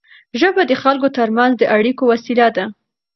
ژبه د خلکو ترمنځ د اړیکو وسیله ده.